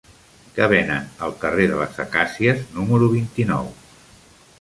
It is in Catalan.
Què venen al carrer de les Acàcies número vint-i-nou?